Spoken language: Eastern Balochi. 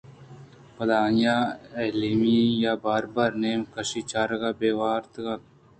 پدا آئی ءَ ایمیلیا ءِ بار بار نیم کشی چارگاں بے وارکُتگ اَت